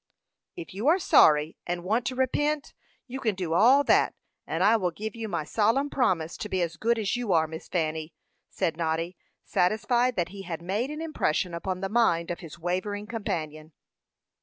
"If you are sorry, and want to repent, you can do all that; and I will give you my solemn promise to be as good as you are, Miss Fanny," said Noddy, satisfied that he had made an impression upon the mind of his wavering companion.